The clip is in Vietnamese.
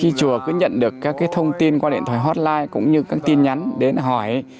khi chùa cứ nhận được các thông tin qua điện thoại hotline cũng như các tin nhắn đến hỏi